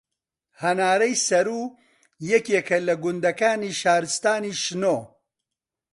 هەنارەی سەروو یەکێکە لە گوندەکانی شارستانی شنۆ